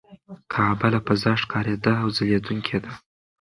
کعبه له فضا ښکاره او ځلېدونکې ده.